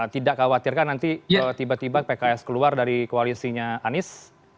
tidak khawatirkan nanti tiba tiba pks keluar dari koalisinya anies